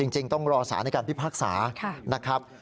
จริงต้องรอสารในการพิพากษานะครับ